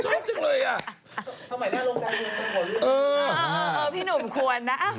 สมัยบ้านโรงการยังเป็นหมดเรื่องนี้นะพี่หนุ่มควรนะ